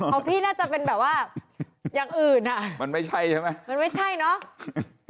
ของพี่น่าจะเป็นแบบว่าอย่างอื่นอ่ะมันไม่ใช่ใช่ไหมมันไม่ใช่เนอะ